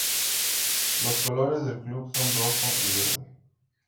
Los colores del club son rojo y verde.